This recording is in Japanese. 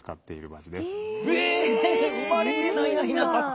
生まれてないなひなた。